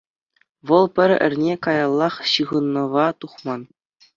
Вӑл пӗр эрне каяллах ҫыхӑнӑва тухман.